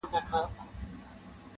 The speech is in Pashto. • زه و خدای چي زړه و تن مي ټول سوځېږي,